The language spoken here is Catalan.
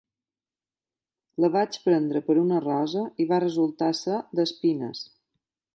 La vaig prendre per una rosa i va resultar ser d'espines.